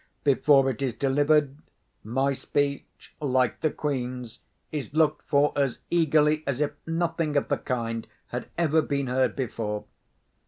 Before it is delivered, my speech (like the Queen's) is looked for as eagerly as if nothing of the kind had ever been heard before.